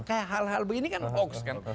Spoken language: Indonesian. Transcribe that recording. kayak hal hal begini kan hoax kan